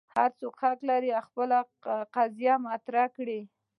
هر څوک حق لري خپل قضیه مطرح کړي.